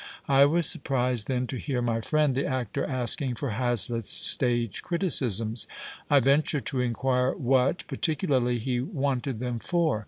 I was surprised, then, to hear my friend the actor asking for Ha/litt's stage criticisms. I venture to inquire what, i)arti cularly, he wanted them for.